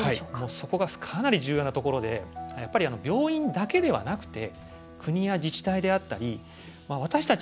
そこがかなり重要なところでやっぱり病院だけではなくて国や自治体であったり私たち